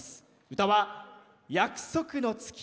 歌は「約束の月」。